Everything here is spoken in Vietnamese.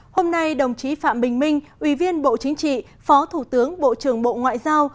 hôm nay đồng chí phạm bình minh ủy viên bộ chính trị phó thủ tướng bộ trưởng bộ ngoại giao